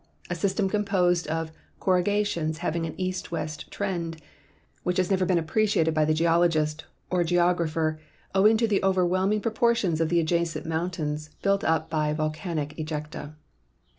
s — a system composed of corrugations having an east west trend, which has never been appreciated by the geologist or geog rapher owing to the overwhelming proportions of the adjacent mountains built up by volcanic ejecta.